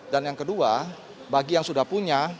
dan yang kedua bagi yang sudah punya